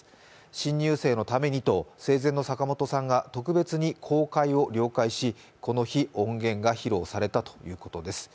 新入生のためにと生前の坂本さんが特別に公開を了解しこの日、音源が披露されたということです。